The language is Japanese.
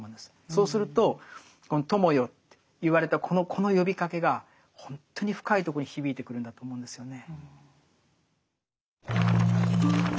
そうするとこの「友よ」と言われたこの呼びかけがほんとに深いとこに響いてくるんだと思うんですよね。